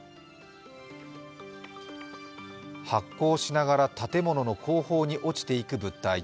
発光しながら建物の後方に落ちていく物体。